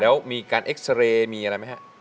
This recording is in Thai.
แล้วมีการเอ็กซาเรย์มีอะไรไหมฮะ